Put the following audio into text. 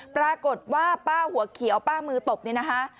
ปรากฏว่าป้าหัวเขียวป้ามือตบเนี่ยนะคะ